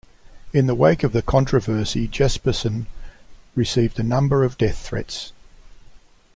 In the wake of the controversy, Jespersen received a number of death threats.